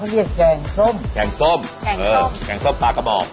อันนี้แกงเหลืองตากระบอก